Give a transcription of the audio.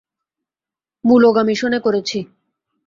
মুলোগা মিশনে করেছি।